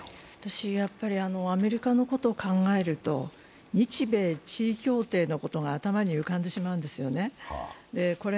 アメリカのことを考えると日米地位協定のことが頭に浮かんでしまうんですよね。